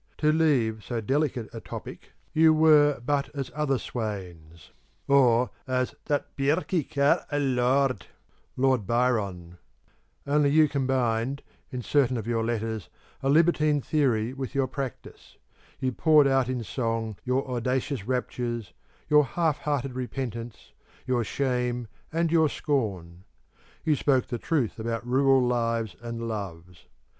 To leave so delicate a topic, you were but as other swains, or, as 'that Birkie ca'd a lord,' Lord Byron; only you combined (in certain of your letters) a libertine theory with your practice; you poured out in song your audacious raptures, your half hearted repentance, your shame and your scorn. You spoke the truth about rural lives and loves.